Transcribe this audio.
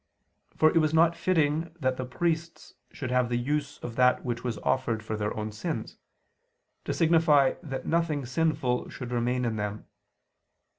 For it was not fitting that the priests should have the use of that which was offered for their own sins, to signify that nothing sinful should remain in them.